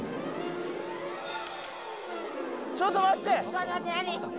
ちょっと待って、何？